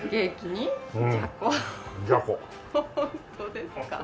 ホントですか？